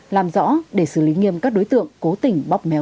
làm rõ để xử lý nghiêm các đối tượng cố tình bóp méo